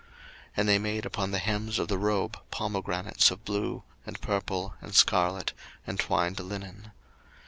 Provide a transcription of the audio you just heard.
02:039:024 And they made upon the hems of the robe pomegranates of blue, and purple, and scarlet, and twined linen.